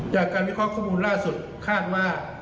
จากการวิเคราะห์ข้อมูลล่าสุดคาดว่า